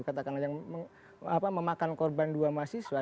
katakanlah yang memakan korban dua mahasiswa